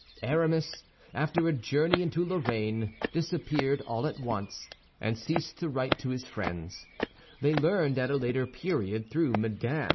Aramis, after a journey into Lorraine, disappeared all at once, and ceased to write to his friends; they learned at a later period through Mme.